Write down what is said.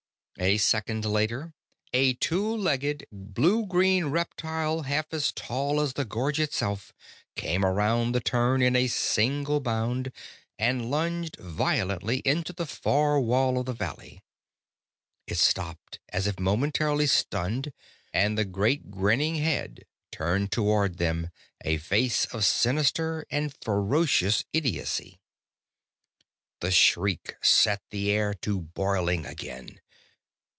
A second later, a two legged, blue green reptile half as tall as the gorge itself came around the turn in a single bound and lunged violently into the far wall of the valley. It stopped as if momentarily stunned, and the great grinning head turned toward them a face of sinister and furious idiocy. The shriek set the air to boiling again.